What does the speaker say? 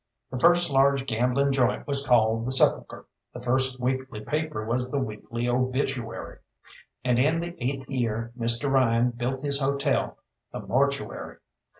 The first large gambling joint was called the "Sepulchre," the first weekly paper was the Weekly Obituary, and in the eighth year Mr. Ryan built his hotel the "Mortuary."